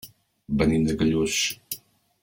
Venim de Callús.